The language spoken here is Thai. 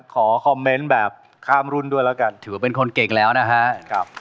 ขอคอมเมนต์แบบข้ามรุ่นด้วยแล้วกันถือว่าเป็นคนเก่งแล้วนะฮะ